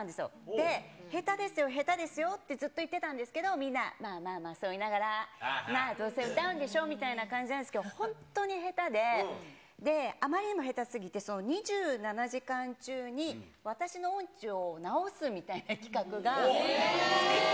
で、下手ですよ、下手ですよってずっと言ってたんですけど、みんな、まあまあまあまあ、そう言いながら、まあどうせ歌うんでしょみたいな感じなんですけど本当に下手で、あまりにも下手すぎて、２７時間中に私の音痴を直すみたいな企画が。